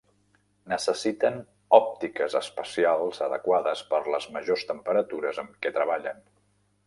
Necessiten òptiques especials adequades per les majors temperatures en què treballen.